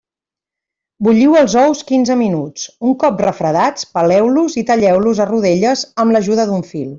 Bulliu els ous quinze minuts; un cop refredats, peleu-los i talleu-los a rodelles amb l'ajuda d'un fil.